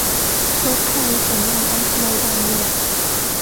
รถใครสัญญาณกันขโมยดังเนี่ย